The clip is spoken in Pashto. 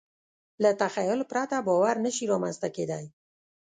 له تخیل پرته باور نهشي رامنځ ته کېدی.